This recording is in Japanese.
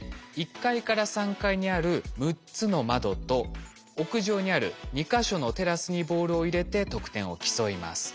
１階から３階にある６つの窓と屋上にある２か所のテラスにボールを入れて得点を競います。